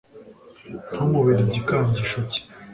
ntamubere igikangisho cye